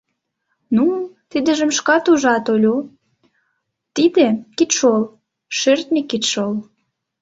— Ну, тидыжым шкат ужат, Олю, тиде — кидшол, шӧртньӧ кидшол.